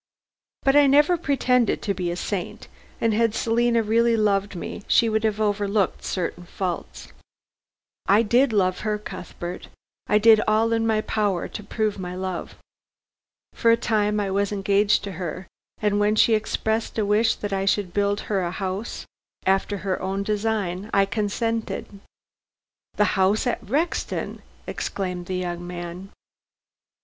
But I never pretended to be a saint, and had Selina really loved me she would have overlooked certain faults. I did love her, Cuthbert. I did all in my power to prove my love. For a time I was engaged to her, and when she expressed a wish that I should build her a house after her own design, I consented." "The house at Rexton!" exclaimed the young man.